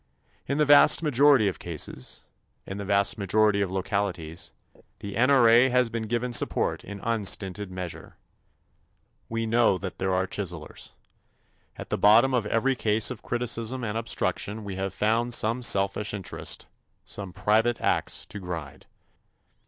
In the vast majority of cases, in the vast majority of localities the N.R.A. has been given support in unstinted measure. We know that there are chiselers. At the bottom of every case of criticism and obstruction we have found some selfish interest, some private ax to grind.